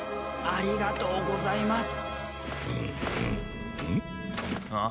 ありがとうございます。